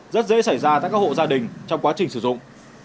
rất dễ xảy ra tại các hộ gia đình trong quá trình sử dụng